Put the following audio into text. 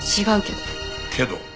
違うけど。